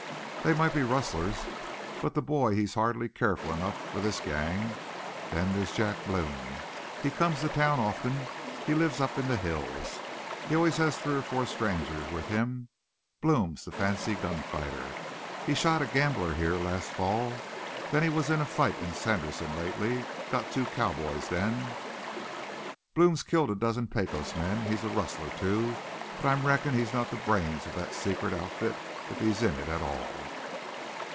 "They might be rustlers. But the boy, he's hardly careful enough for this gang. Then there's Jack Blome. He comes to town often. He lives up in the hills. He always has three or four strangers with him. Blome's the fancy gun fighter. He shot a gambler here last fall. Then he was in a fight in Sanderson lately. Got two cowboys then. "Blome's killed a dozen Pecos men. He's a rustler, too, but I reckon he's not the brains of thet secret outfit, if he's in it at all."